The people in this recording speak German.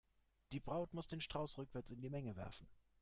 Die Braut muss den Strauß rückwärts in die Menge werfen.